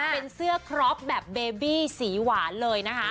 เป็นเสื้อครอบแบบเบบี้สีหวานเลยนะคะ